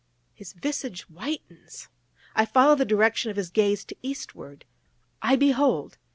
_" His visage whitens! I follow the direction of his gaze to eastward! I behold!